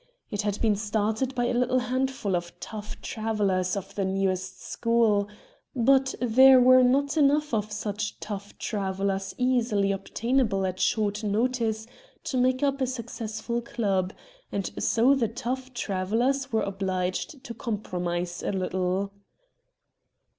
It had been started by a little handful of tough travellers of the newest school, but there were not enough of such tough travellers easily obtainable at short notice to make up a successful club, and so the tough travellers were obliged to compromise a little.